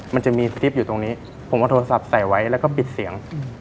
มันจะมีสติปอยู่ตรงนี้ผมเอาโทรศัพท์ใส่ไว้แล้วก็ปิดเสียง